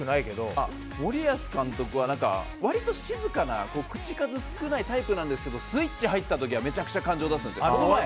森保監督は割と静かな口数少ないタイプなんですけどスイッチが入った時はめちゃくちゃ感情を出すんです。